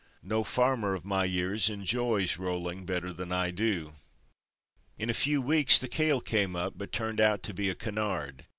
No farmer of my years enjoys rolling better than I do. In a few weeks the kale came up but turned out to be a canard.